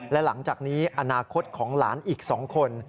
และหลังจากนี้อนาคตของหลานอีก๒คน